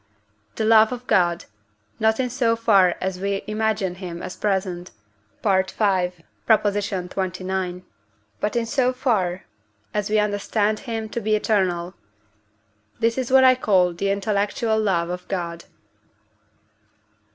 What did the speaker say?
the love of God; not in so far as we imagine him as present (V. xxix.), but in so far as we understand him to be eternal; this is what I call the intellectual love of God.